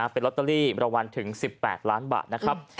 เป็นลอตเตอรี่รางวัลถึง๑๘ล้านบาทนะครับ